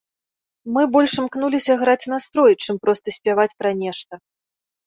Мы больш імкнуліся граць настрой, чым проста спяваць пра нешта.